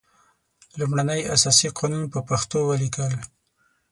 لومړنی اساسي قانون په پښتو ولیکل.